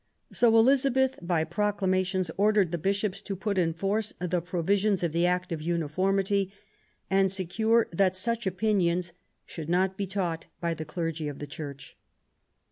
So Elizabeth, by proclamation, ordered the Bishops to put in force the provisions of the Act of Uniformity, and secure that such opinions should not be taught by the clergy of the Church.